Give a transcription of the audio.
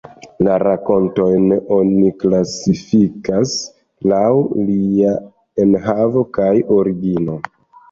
La rakontojn oni klasifikas laŭ ilia enhavo kaj origino.